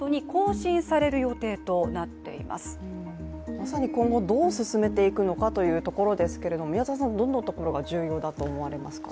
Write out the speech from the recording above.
まさに今後どう進めていくのかというところですが、どんなところが重要だと思われますか？